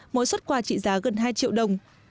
mỗi xuất quà trị giá gần hai triệu đồng